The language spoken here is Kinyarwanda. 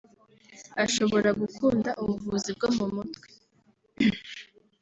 ashobora gukunda ubuvuzi bwo mu mutwe